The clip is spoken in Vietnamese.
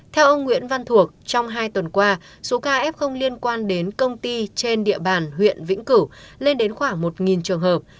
theo ông nguyễn văn thuộc trong hai tuần qua số ca f liên quan đến công ty trên địa bàn huyện vĩnh cửu lên đến khoảng một trường hợp